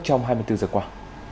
trong hai mươi bốn giờ qua